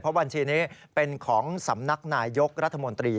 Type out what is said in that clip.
บัญชีนี้เป็นของสำนักนายยกรัฐมนตรี